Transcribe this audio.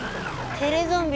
テレゾンビ！